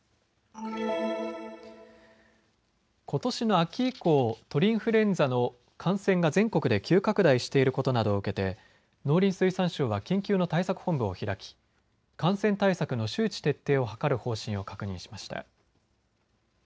ことしの秋以降、鳥インフルエンザの感染が全国で急拡大していることなどを受けて農林水産省は緊急の対策本部を開き感染対策の周知徹底を図る方針を確認しました。